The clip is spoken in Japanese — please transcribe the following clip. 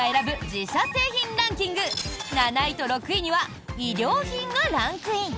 自社製品ランキング７位と６位には衣料品がランクイン！